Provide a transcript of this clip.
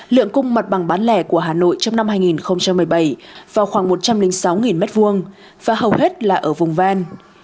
lượng cung mặt bằng bán lẻ của hà nội trong năm hai nghìn một mươi bảy vào khoảng một trăm linh sáu m hai và hầu hết là ở vùng ven